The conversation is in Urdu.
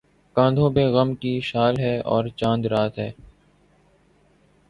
کاندھوں پہ غم کی شال ہے اور چاند رات ہ